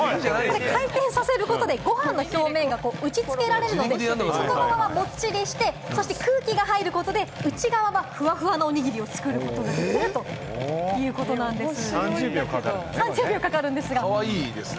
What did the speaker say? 回転させることでご飯の表面が打ち付けられるので、外側はもっちりして、空気が入ることで、内側がふわふわのおにぎりを作る３０秒かかるのね。